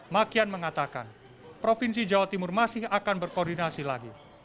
makian mengatakan provinsi jawa timur masih akan berkoordinasi lagi